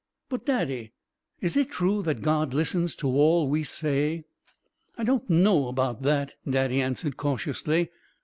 "But, Daddy, is it true that God listens to all we say?" "I don't know about that," Daddy answered, cautiously.